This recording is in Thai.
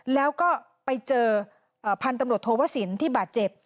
แล้วก็ไปเจอพันธุ์ตำรวจโทวสินที่บาดเจ็บ